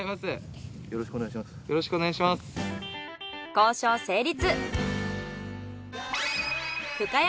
交渉成立。